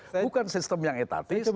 bukan sistem yang etatis